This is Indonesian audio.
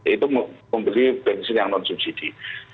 itu membeli bensin yang non subsidi